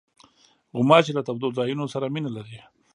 غوماشې له تودو ځایونو سره مینه لري.